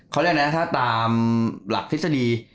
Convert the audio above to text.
เขาเรียกได้ถ้าตามหลักทฤษฎี